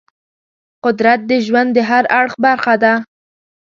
قدرت د ژوند د هر اړخ برخه ده.